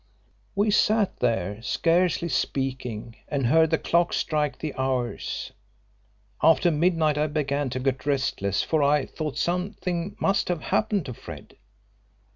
"We sat there scarcely speaking, and heard the clock strike the hours. After midnight I began to get restless, for I thought something must have happened to Fred.